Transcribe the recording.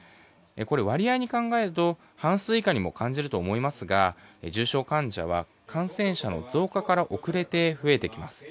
これ割合で考えると半数以下にも思えますが重症患者は感染者の増加から遅れて増えてきます。